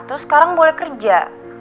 terus sekarang boleh kerja